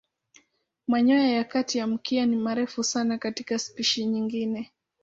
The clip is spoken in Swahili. Manyoya ya kati ya mkia ni marefu sana katika spishi nyingine.